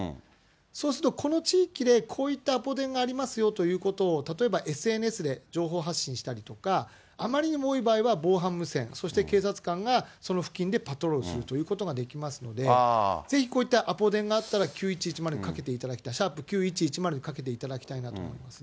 そうすると、この地域でこういったアポ電がありますよということを、例えばＳＮＳで情報発信したりだとか、あまりにも多い場合には、防犯無線、そして警察官がその付近でパトロールするということができますので、ぜひこういったアポ電があったら、９１１０にかけていただきたい、＃９１１０にかけていただきたいと思いますね。